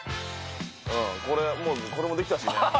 これも出来たしね。